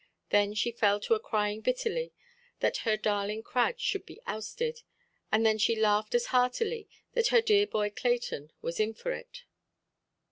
Then she fell to a–crying bitterly that her darling Crad should be ousted, and then she laughed as heartily that her dear boy Clayton was in for it.